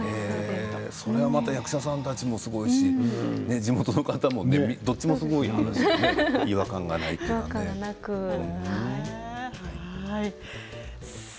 それはまた役者さんたちもすごいし地元の方もどっちもすごいなという感じで違和感がないというのがね。